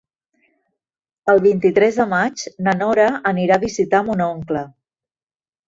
El vint-i-tres de maig na Nora anirà a visitar mon oncle.